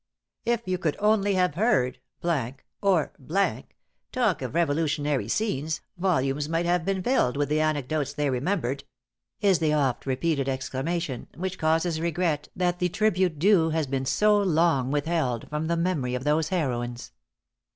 "If you could only have heard , or , talk of Revolutionary scenes, volumes might have been filled with the anecdotes they remembered!" is the oft repeated exclamation, which causes regret that the tribute due has been so long withheld from the memory of those heroines.